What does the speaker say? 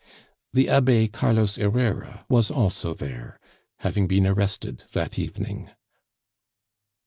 The Abbe Carlos Herrera was also there, having been arrested that evening.